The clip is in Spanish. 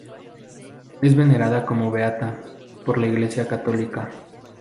Es venerada como beata por la Iglesia Católica.